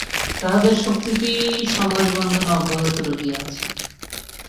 তাঁহাদের শক্তিতেই সমাজ-বন্ধন অব্যাহত রহিয়াছে।